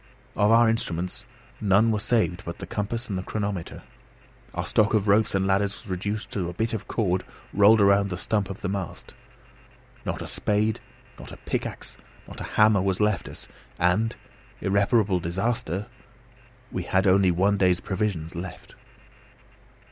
Of our instruments none were saved but the compass and the chronometer; our stock of ropes and ladders was reduced to the bit of cord rolled round the stump of the mast! Not a spade, not a pickaxe, not a hammer was left us; and, irreparable disaster! we had only one day's provisions left.